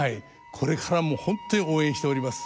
これからも本当に応援しております。